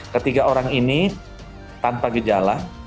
ketiga orang ini tanpa gejala